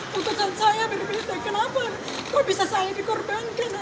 putusan saya pribadi kenapa kok bisa saya dikorbankan